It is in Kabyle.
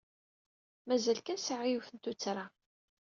Mazal kan sɛiɣ yiwet n tuttra.